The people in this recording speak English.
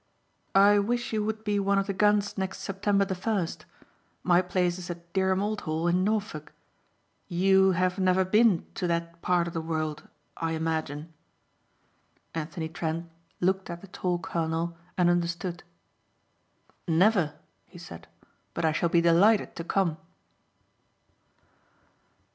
"I wish you would be one of the guns next September the first. My place is at Dereham Old Hall in Norfolk. You have never been to that part of the world I imagine?" Anthony Trent looked at the tall colonel and understood. "Never," he said, "but I shall be delighted to come."